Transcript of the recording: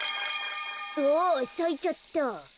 あっさいちゃった。